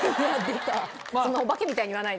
そんなオバケみたいに言わないで。